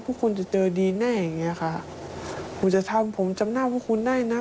พวกคุณจะเจอดีแน่อย่างเงี้ยค่ะกูจะทำผมจำหน้าพวกคุณได้นะ